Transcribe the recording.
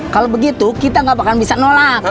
kalau begitu kita gak bakal bisa nolak